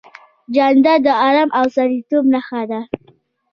جانداد د ارام او سړیتوب نښه ده.